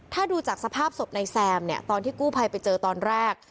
ถ้าดูจากสภาพศพนายแซมเนี่ยตอนที่กู้ภัยไปเจอตอนแรก